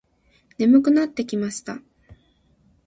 眠くなってきました。